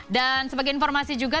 dan sebagai informasi juga